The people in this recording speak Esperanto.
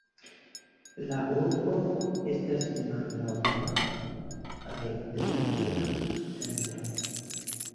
La urbo estas malnova religia centro.